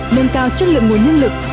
nâng cao chất lượng nguồn nhân lực